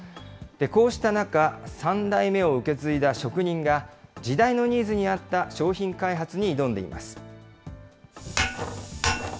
こうした中、３代目を受け継いだ職人が、時代のニーズに合った商品開発に挑んでいます。